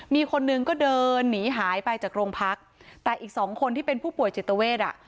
มีคนหนึ่งก็เดินหนีหายไปจากโรงพักแต่อีกสองคนที่เป็นผู้ป่วยจิตเวทอ่ะ